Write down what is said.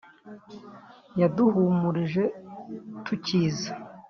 Yaduhumurije tukiza